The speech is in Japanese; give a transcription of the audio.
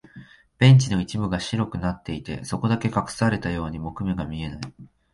ベンチの一部が白くなっていて、そこだけ隠されたように木目が見えない。